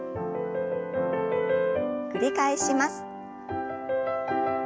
繰り返します。